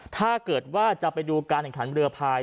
ถ้าเกิดว่าจะไปดูการแข่งขันเรือพาย